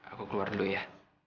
aku keluar dulu ya